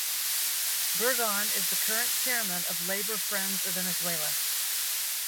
Burgon is the current Chairman of Labour Friends of Venezuela.